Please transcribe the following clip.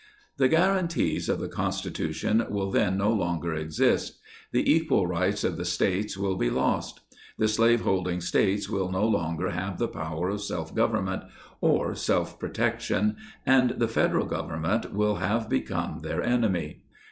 The Guaranties of the Constitution will then no longer exist; the equal rights of the States will be lost. The slaveholding States will no longer have the power of self government, or ielf protection, and the Federal Govern ment will have become their enemy.